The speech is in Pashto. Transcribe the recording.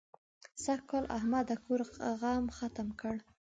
سږکال احمد د کور غم ختم کړ.